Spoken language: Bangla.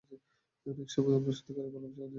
অনেক সময় আমরা, সত্যিকারের ভালবাসাও জিততে পারি না।